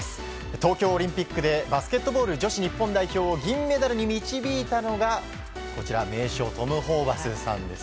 東京オリンピックでバスケットボール女子日本代表を銀メダルに導いたのが名将トム・ホーバスさんです。